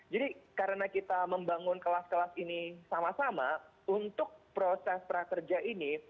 jadi karena kita membangun kelas kelas ini sama sama untuk proses prakerja ini